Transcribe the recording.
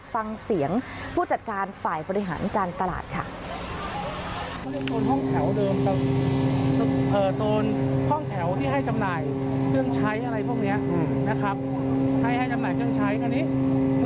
ฟังเสียงผู้จัดการฝ่ายบริหารการตลาดค่ะเขาเรียกโซนห้องแถวเดิมเอ่อโซนห้องแถวที่ให้จำหน่ายเครื่องใช้อะไรพวกเนี้ย